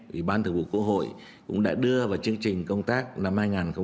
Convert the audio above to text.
ủy ban thượng vụ cổ hội cũng đã đưa vào chương trình công tác năm hai nghìn hai mươi ba